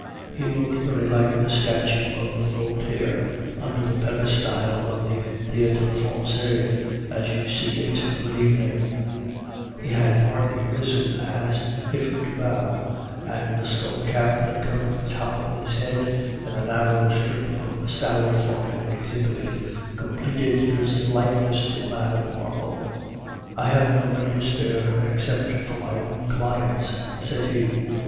He looked very like the statue of Voltaire under the peristyle of the Theatre Francais, as you see it of an evening; he had partly risen as if to bow, and the skull cap that covered the top of his head, and the narrow strip of sallow forehead exhibited, completed his likeness to the man of marble. "'I have no money to spare except for my own clients,' said he.